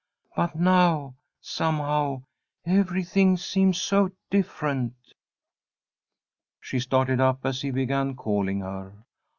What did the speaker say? But now somehow everything seems so different." She started up as he began calling her.